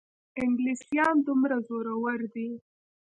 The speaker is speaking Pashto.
انګلیسیان دومره زورور دي.